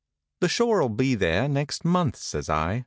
"The shore'll be there next month," says I.